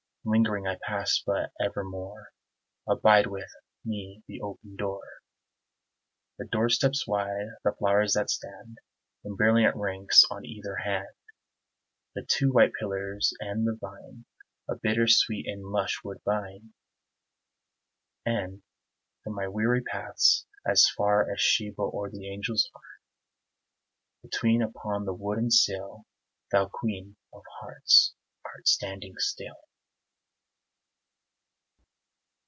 Lingering I passed, but evermore Abide with me the open door, The doorsteps wide, the flowers that stand In brilliant ranks on either hand, The two white pillars and the vine Of bitter sweet and lush woodbine, And from my weary paths as far As Sheba or the angels are Between, upon the wooden sill, Thou, Queen of Hearts, art standing still.